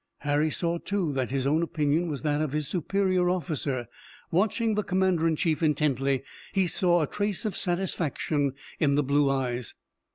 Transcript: Harry saw, too, that his own opinion was that of his superior officer. Watching the commander in chief intently he saw a trace of satisfaction in the blue eyes.